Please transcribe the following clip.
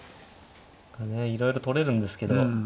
いろいろ取れるんですけど。